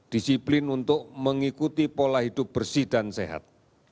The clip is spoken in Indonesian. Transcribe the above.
disiplin untuk mengikuti pola hidup bersih dan sehat